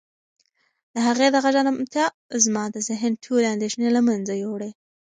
د هغې د غږ ارامتیا زما د ذهن ټولې اندېښنې له منځه یووړې.